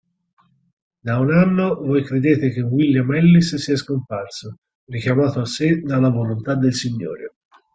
Da un anno voi credete che William Ellis sia scomparso, richiamato a sé dalla volontà del Signore.